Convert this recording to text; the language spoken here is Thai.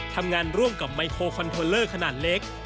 ทำงานร่วมกับไมโครคอนเทลเลอร์ขนาดเล็ก